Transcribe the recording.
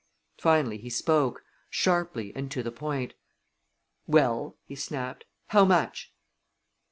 Finally he spoke, sharply and to the point. "Well," he snapped, "how much?"